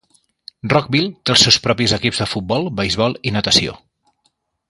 Rockville té els seus propis equips de futbol, beisbol i natació.